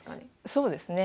そうですね。